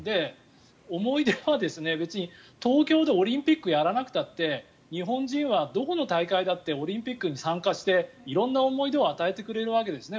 思い出は別に東京でオリンピックをやらなくたって日本人はどこの大会だってオリンピックに参加して色んな思い出を与えてくれるわけですね。